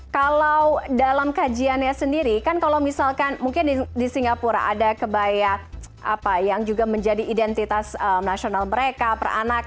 kalau dalam kajiannya sendiri kan kalau misalkan mungkin di singapura ada kebaya yang juga menjadi identitas nasional mereka peranakan